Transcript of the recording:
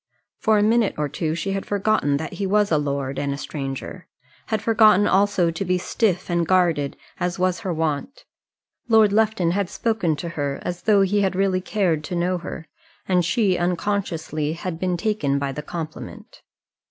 For a minute or two she had forgotten that he was a lord and a stranger had forgotten also to be stiff and guarded as was her wont. Lord Lufton had spoken to her as though he had really cared to know her; and she, unconsciously, had been taken by the compliment.